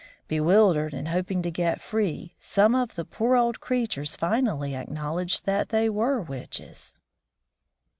Bewildered, and hoping to get free, some of the poor old creatures finally acknowledged that they were witches.